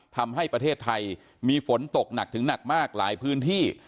ทำให้ประเทศไทยมีฝนตกหนักถึงหนักมากหลายพื้นที่